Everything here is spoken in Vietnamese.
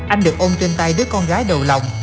anh được ôn trên tay đứa con gái đầu lòng